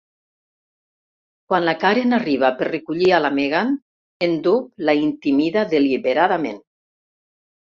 Quan la Karen arriba per recollir a la Megan, en Doob la intimida deliberadament.